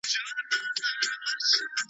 څنګه به هیری کړم ماشومي او زلمۍ ورځي مي .